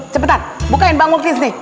cepetan bukain bangun sini